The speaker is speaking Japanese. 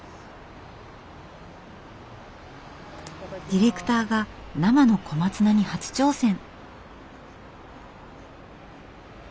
ディレクターが生の小松菜に初挑戦。